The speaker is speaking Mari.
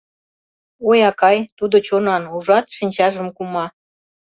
Ой, акай, тудо чонан, ужат, шинчажым кума.